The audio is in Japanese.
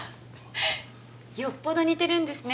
よっぽど似てるんですね